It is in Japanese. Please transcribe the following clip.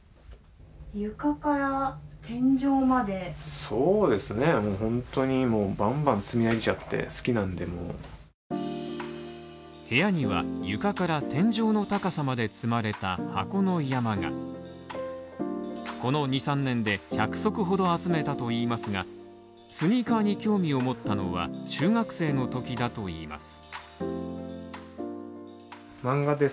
床から天井までもう本当にもうバンバン積み上げちゃって好きなんでもう部屋には床から天井の高さまで積まれた箱の山がこの二、三年で１００足ほど集めたといいますが、スニーカーに興味を持ったのは中学生のときだといいます。